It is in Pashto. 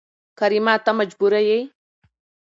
کريمه ته مجبوره يې